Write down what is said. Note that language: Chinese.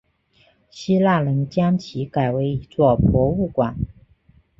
希腊人将其改为一座博物馆。